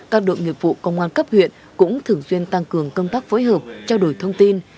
các đội nghiệp vụ công an cấp huyện cũng thường xuyên tăng cường công tác phối hợp trao đổi thông tin